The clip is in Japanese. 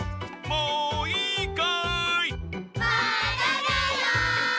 もういいかい？